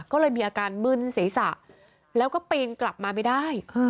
ก็เลยมีอาการมึนศีรษะแล้วก็ปีนกลับมาไม่ได้